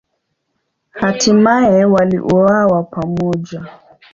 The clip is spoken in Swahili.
Hatimaye waliuawa pamoja.